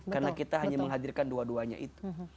karena kita hanya menghadirkan dua duanya itu